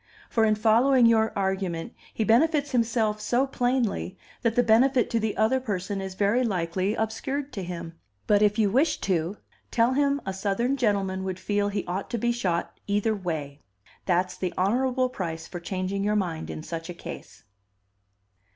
For in following your argument, he benefits himself so plainly that the benefit to the other person is very likely obscured to him. But, if you wish to, tell him a Southern gentleman would feel he ought to be shot either way. That's the honorable price for changing your mind in such a case."